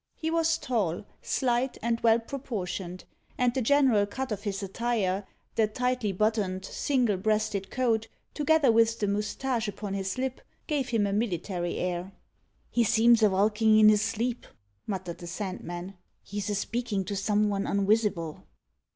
He was tall, slight, and well proportioned; and the general cut of his attire, the tightly buttoned, single breasted coat, together with the moustache upon his lip, gave him a military air. "He seems a valkin' in his sleep," muttered the Sandman. "He's a speakin' to some von unwisible."